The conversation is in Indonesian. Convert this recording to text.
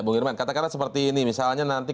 bung irman katakanlah seperti ini misalnya nanti